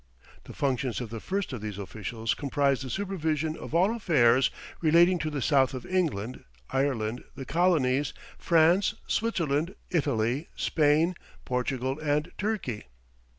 The functions of the first of these officials comprised the supervision of all affairs relating to the south of England, Ireland, the Colonies, France, Switzerland, Italy, Spain, Portugal, and Turkey.